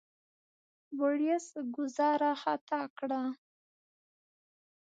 بوریس ګوزاره خطا کړه.